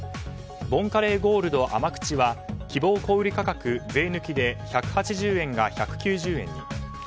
ボンカレーゴールド甘口は希望小売価格税抜きで１８０円が１９０円に。